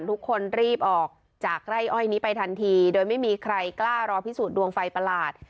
ทุกคนรีบออกจากไร่อ้อยนี้ไปทันทีโดยไม่มีใครกล้ารอพิสูจนดวงไฟประหลาด